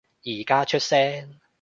而家出聲